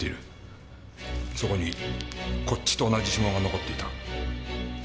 そこにこっちと同じ指紋が残っていた。